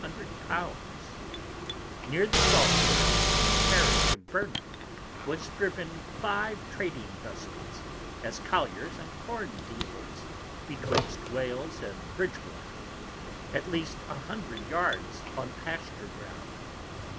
_ Near the Salt works in the Parish of Burnham, was driven five trading Vessels, as Colliers and Corn dealers, betwixt Wales and Bridgwater, at least 100 Yards on Pasture Ground.